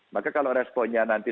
maka kalau responnya nanti